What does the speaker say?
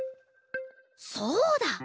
そうだ！